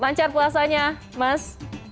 lancar puasanya mas